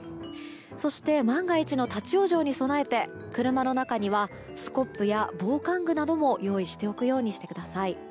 そして、万が一の立ち往生に備えて車の中にはスコップや防寒具なども用意しておくようにしてください。